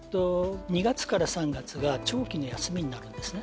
２月から３月が長期の休みになるんですね。